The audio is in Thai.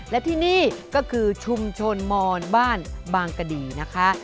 และที่นี่ก็คือชุมชนมอนบ้านบางกะดีนะคะ